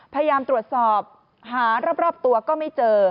พยายามตรวจสอบหารอบตัวก็ไม่เจอ